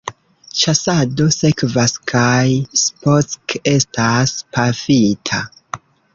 Ĉasado sekvas kaj Spock estas pafita.